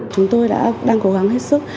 chúng tôi đang cố gắng hết sức